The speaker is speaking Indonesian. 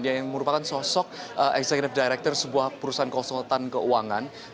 dia yang merupakan sosok executive director sebuah perusahaan konsultan keuangan